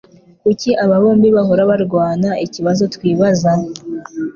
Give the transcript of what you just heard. Kuki aba bombi bahora barwanaikibazo twibaza